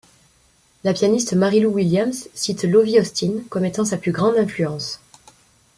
La pianiste Mary Lou Williams cite Lovie Austin comme étant sa plus grande influence.